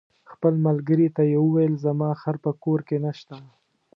خپل ملګري ته یې وویل: زما خر په کور کې نشته.